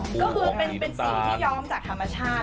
เป็นสีที่ย้อมจากธรรมชาติ